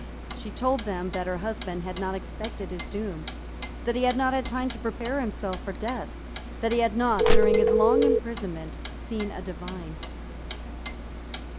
She told them that her husband had not expected his doom, that he had not had time to prepare himself for death, that he had not, during his long imprisonment, seen a divine.